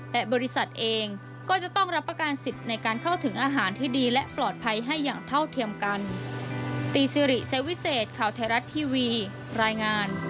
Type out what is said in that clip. และบริษัทเองก็จะต้องรับประการสิทธิ์ในการเข้าถึงอาหารที่ดีและปลอดภัยให้อย่างเท่าเทียมกัน